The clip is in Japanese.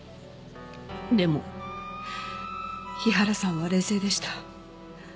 でも日原さんは冷静でした。